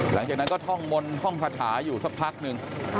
หลังจากนั้นก็ท่องมนต์ท่องคาถาอยู่สักพักหนึ่ง